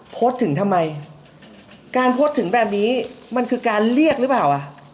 พูดถึงทำไมการพูดถึงแบบนี้มันคือการเรียกหรือเปล่า